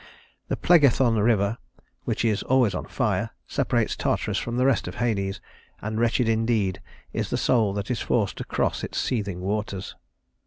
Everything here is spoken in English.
The Phlegethon River, which is always on fire, separates Tartarus from the rest of Hades, and wretched indeed is the soul that is forced to cross its seething waters.